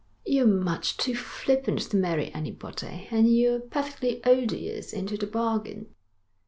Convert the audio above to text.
'You're much too flippant to marry anybody, and you're perfectly odious into the bargain.'